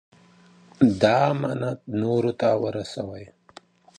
دا امانت نورو ته ورسوئ.